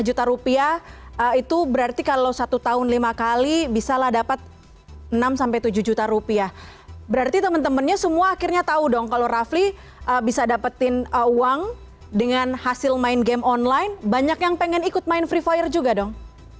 lima juta rupiah itu berarti kalau satu tahun lima kali bisalah dapat enam tujuh juta rupiah berarti teman temannya semua akhirnya tahu dong kalau rafli bisa dapetin uang dengan hasil main game online banyak yang pengen ikut main free fire juga dong